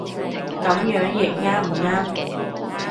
噉樣譯啱唔啱